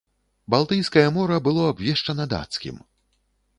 Балтыйскае мора было абвешчана дацкім.